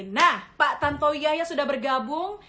nah pak tantowi yaya sudah bergabung